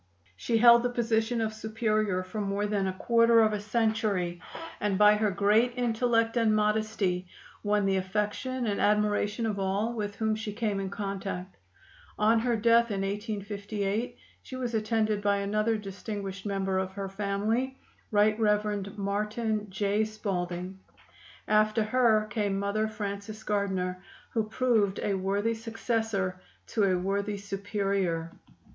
She held the position of Superior for more than a quarter of a century, and by her great intellect and modesty won the affection and admiration of all with whom she came in contact. On her death, in 1858, she was attended by another distinguished member of her family, Right Rev. Martin J. Spalding. After her came Mother Frances Gardiner, who proved a worthy successor to a worthy Superior.